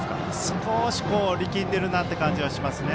少し力んでるなという感じはしますね。